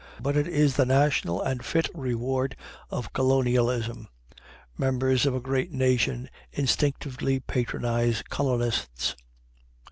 But it is the natural and fit reward of colonialism. Members of a great nation instinctively patronize colonists.